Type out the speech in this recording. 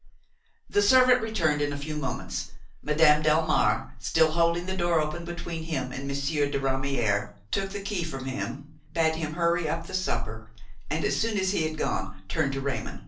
The servant returned in a few moments. Madame Delmare, still holding the door open between him and Monsieur de Ramière, took the key from him, bade him hurry up the supper, and, as soon as he had gone, turned to Raymon.